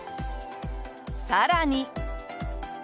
さらに。